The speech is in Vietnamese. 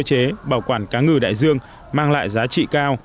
sơ chế bảo quản cá ngừ đại dương mang lại giá trị cao